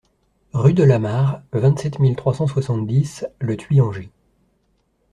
Rue Delamarre, vingt-sept mille trois cent soixante-dix Le Thuit-Anger